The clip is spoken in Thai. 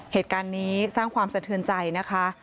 เหตุการณ์นี้สร้างความสะเทือนใจนะคะ